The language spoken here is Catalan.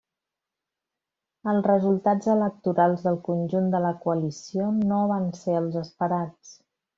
Els resultats electorals del conjunt de la coalició no van ser els esperats.